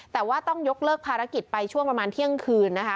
แต่ว่าต้องยกเลิกภารกิจไปช่วงประมาณเที่ยงคืนนะคะ